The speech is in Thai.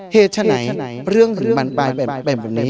เหตุไฉนเรื่องถึงบรรปรายแบบนี้